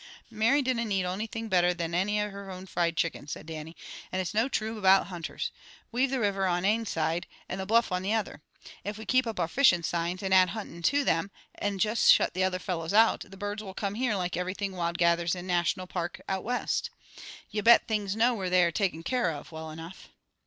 "Mary dinna need onything better than ane of her own fried chickens," said Dannie. "And its no true about hunters. We've the river on ane side, and the bluff on the other. If we keep up our fishing signs, and add hunting to them, and juist shut the other fellows out, the birds will come here like everything wild gathers in National Park, out West. Ye bet things know where they are taken care of, well enough."